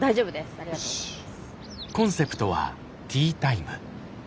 ありがとうございます。